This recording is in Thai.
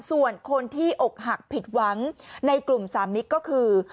ส่วนคนที่อกหักผิดหวังในกลุ่มสามมิกก็คือ